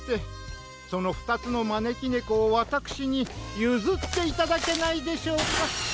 そのふたつのまねきねこをわたくしにゆずっていただけないでしょうか？